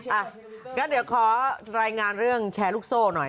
อ่ะงั้นเดี๋ยวขอรายงานเรื่องแชร์ลูกโซ่หน่อย